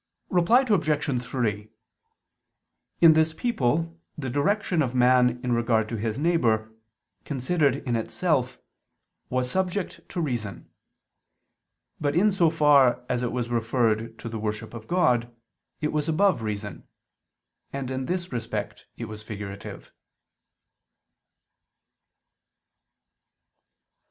Reply Obj. 3: In this people the direction of man in regard to his neighbor, considered in itself, was subject to reason. But in so far as it was referred to the worship of God, it was above reason: and in this respect it was figurative.